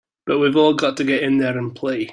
But we've all got to get in there and play!